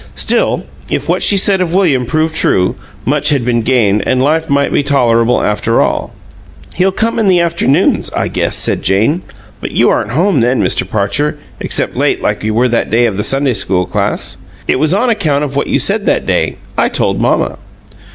Still, if what she said of William proved true, much had been gained and life might be tolerable, after all. "He'll come in the afternoons, I guess," said Jane. "But you aren't home then, Mr. Parcher, except late like you were that day of the Sunday school class. It was on account of what you said that day. I told mamma."